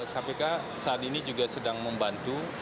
kpk saat ini juga sedang membantu